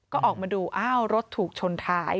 ก็ออกมาดูอ้าวรถถูกชนท้าย